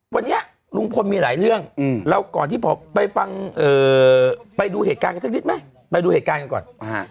วันนี้ลุงพลมีหลายเรื่องเราก่อนที่ไปดูเหตุการณ์กันสักนิดไหมไปดูเหตุการณ์กันก่อน